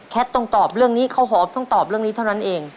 ต้องตอบเรื่องนี้ข้าวหอมต้องตอบเรื่องนี้เท่านั้นเอง